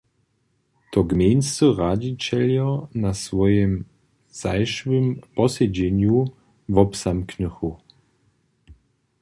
To gmejnscy radźićeljo na swojim zašłym posedźenju wobzamknychu.